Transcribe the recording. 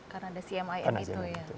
karena ada cmim itu ya